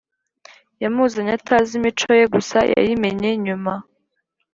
Yamuzanye atazi imico ye gusa yayimenye nyuma